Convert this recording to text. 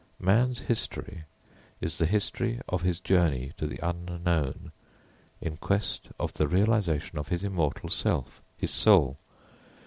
Man's history is the history of his journey to the unknown in quest of the realisation of his immortal self his soul.